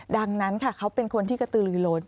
ดังนั้นค่ะเขาเป็นคนที่กระตือลือล้น